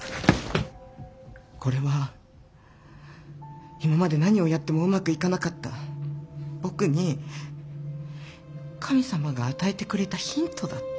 これは今まで何をやってもうまくいかなかった僕に神様が与えてくれたヒントだって。